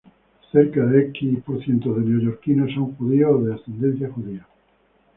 Cerca del de los neoyorquinos son judíos o de ascendencia judía.